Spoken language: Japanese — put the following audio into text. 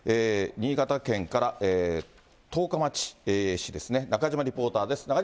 新潟県から十日町市ですね、中島リポーターです。